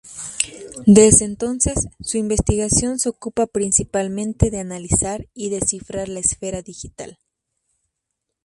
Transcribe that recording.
Desde entonces, su investigación se ocupa principalmente de analizar y descifrar la esfera digital.